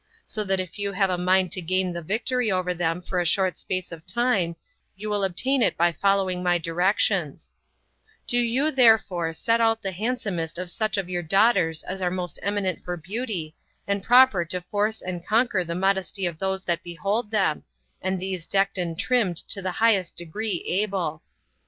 So that if you have a mind to gain a victory over them for a short space of time, you will obtain it by following my directions:Do you therefore set out the handsomest of such of your daughters as are most eminent for beauty, 10 and proper to force and conquer the modesty of those that behold them, and these decked and trimmed to the highest degree able.